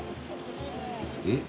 えっ？